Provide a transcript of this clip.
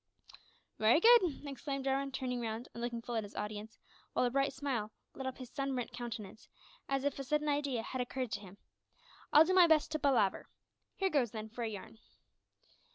"Wery good," exclaimed Jarwin, turning round, and looking full at his audience, while a bright smile lit up his sunburnt countenance, as if a sudden idea had occurred to him, "I'll do my best to palaver. Here goes, then, for a yarn."